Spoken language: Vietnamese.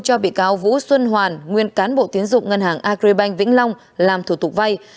cho bị cáo vũ xuân hoàn nguyên cán bộ tiến dụng ngân hàng agribank vĩnh long làm thủ tục vay